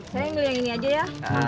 saya milih yang ini aja ya